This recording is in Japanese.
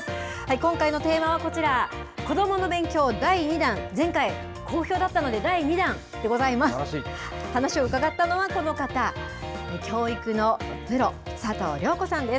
今回のテーマはこちら、子どもの勉強第２弾、前回、好評だったので、第２弾でございます。